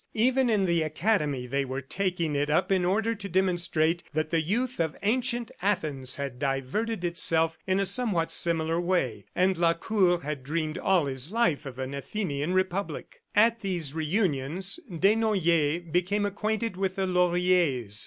Even in the Academy they were taking it up in order to demonstrate that the youth of ancient Athens had diverted itself in a somewhat similar way. ... And Lacour had dreamed all his life of an Athenian republic. At these reunions, Desnoyers became acquainted with the Lauriers.